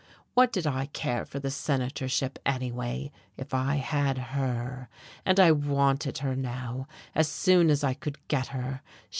What did I care for the senatorship anyway if I had her? and I wanted her now, as soon as I could get her.